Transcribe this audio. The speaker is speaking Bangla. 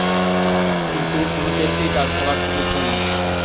কিন্তু, কোন টেস্টেই তার খেলার সুযোগ হয়নি।